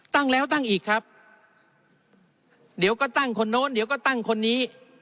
ตั้งแล้วตั้งอีกครับเดี๋ยวก็ตั้งคนโน้นเดี๋ยวก็ตั้งคนนี้